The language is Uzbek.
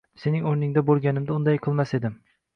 Sening o'rningda bo'lganimda, unday qilmas edim.